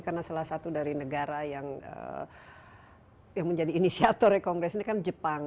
karena salah satu dari negara yang menjadi inisiatornya kongres ini kan jepang